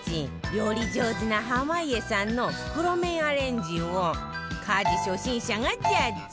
料理上手な濱家さんの袋麺アレンジを家事初心者がジャッジ